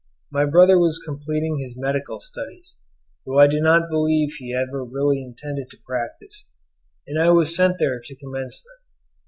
My brother was completing his medical studies, though I do not believe he ever really intended to practise, and I was sent there to commence them.